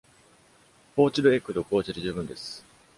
ポーチドエッグと紅茶で十分です。